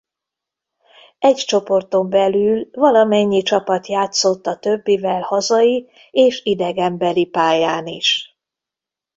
Egy csoporton belül valamennyi csapat játszott a többivel hazai és idegenbeli pályán is.